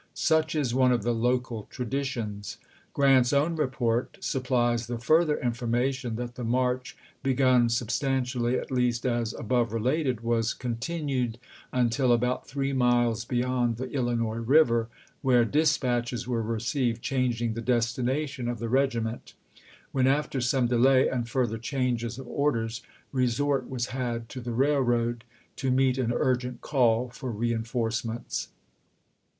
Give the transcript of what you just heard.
Such is one of the local traditions. G rant's own report supplies the further information that the march, begun sub stantially at least, as above related, "was con A^ijutent tinned until about three miles beyond the Illinois *^imnoie"* River, where dispatches were received changing 186.5 66, p. ^j^g destination of the regiment"; when after some delay and further changes of orders, resort was had to the railroad to meet an urgent call for reenforcements.